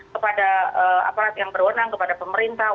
kepada aparat yang berwenang kepada pemerintah